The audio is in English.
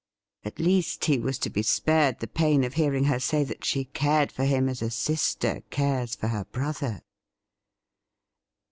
At least he was to be spared the pain of hearing her say that she cared for him as a sister cares for her brother.